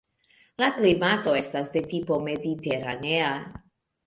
La klimato estas de tipo mediteranea.